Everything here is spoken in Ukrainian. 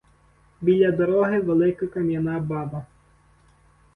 Біля дороги — велика кам'яна "баба".